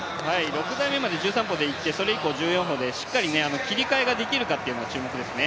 ６台まで１３歩でいってそれ以降は１４歩でしっかり切り替えができるかが注目ですね。